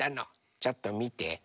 ちょっとみて。